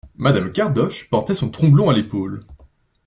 Madame Cardoche portait son tromblon à l'épaule.